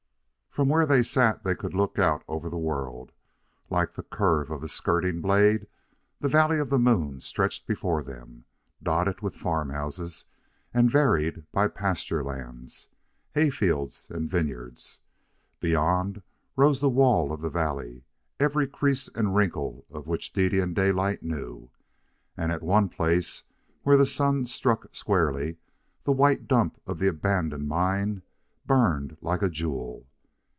From where they sat they could look out over the world. Like the curve of a skirting blade, the Valley of the Moon stretched before them, dotted with farm houses and varied by pasture lands, hay fields, and vineyards. Beyond rose the wall of the valley, every crease and wrinkle of which Dede and Daylight knew, and at one place, where the sun struck squarely, the white dump of the abandoned mine burned like a jewel.